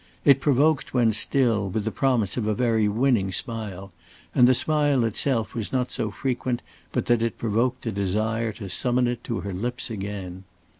It provoked, when still, with the promise of a very winning smile, and the smile itself was not so frequent but that it provoked a desire to summon it to her lips again.